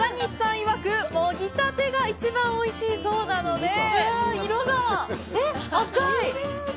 いわく、もぎたてが一番おいしいそうなのでうわ、色が、えっ、赤い！